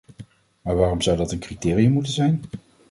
Maar waarom zou dat een criterium moeten zijn?